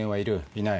いない？